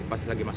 pas lagi masuk